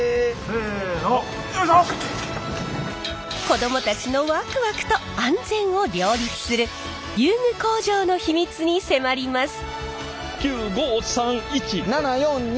子どもたちのワクワクと安全を両立する遊具工場の秘密に迫ります！